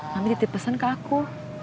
mami tetep pesen ke aku